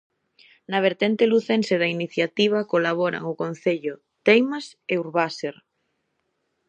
Na vertente lucense da iniciativa colaboran o Concello, Teimas e Urbaser.